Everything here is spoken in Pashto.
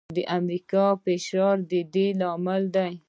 د امریکا فشار د دې لامل دی.